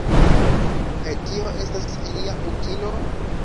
Kaj tio estas ilia utilo?